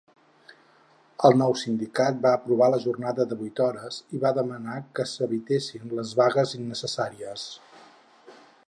El nou sindicat va aprovar la jornada de vuit hores i va demanar que s'evitessin les vagues innecessàries.